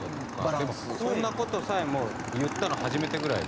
でもそんな事さえも言ったの初めてぐらいで。